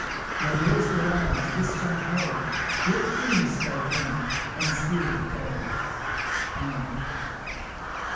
No doors there are to this stronghold, Yet thieves break in and steal the gold. (An egg.)